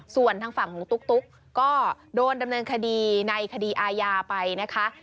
ส่วนทางฝั่งของตุ๊กก็โดนดำเนินคดีในคดีอาญาไปนะคะ